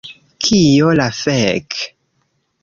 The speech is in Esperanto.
Kio la fek'